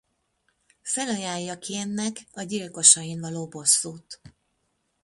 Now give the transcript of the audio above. Felajánlja Kain-nek a gyilkosain való bosszút.